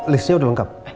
listnya udah lengkap